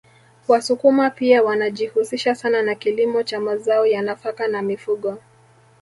Wasukuma pia wanajihusisha sana na kilimo cha mazao ya nafaka na mifugo